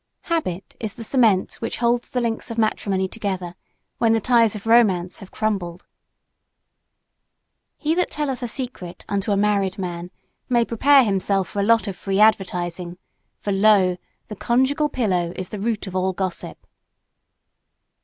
Habit is the cement which holds the links of matrimony together when the ties of romance have crumbled. He that telleth a secret unto a married man may prepare himself for a lot of free advertising; for, lo, the conjugal pillow is the root of all gossip.